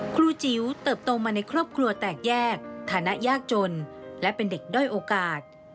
ครูจิ๋วเติบโตมาในครอบครัวแตกแยกฐานะยากจนและเป็นเด็กด้อยโอกาส